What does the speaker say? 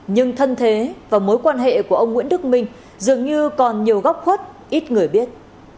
nhưng thân thế và mối quan hệ của ông nguyễn đức minh dường như còn nhiều góc khuất ít người biết